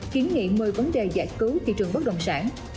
kiến nghị một mươi vấn đề giải cứu thị trường bất động sản